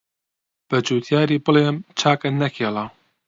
بەجوتیاری بڵێم چاکت نەکێڵا